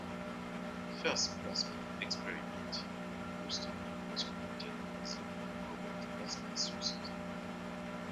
The first plasma experiment in Houston was conducted with a microwave plasma source.